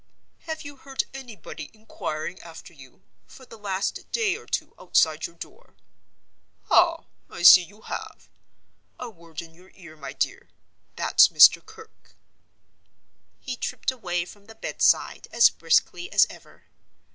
Have you heard anybody inquiring after you, for the last day or two, outside your door? Ah! I see you have. A word in your ear, my dear. That's Mr. Kirke." He tripped away from the bedside as briskly as ever.